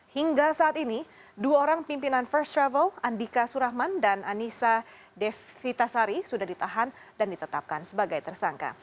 hingga saat ini dua orang pimpinan first travel andika surahman dan anissa devitasari sudah ditahan dan ditetapkan sebagai tersangka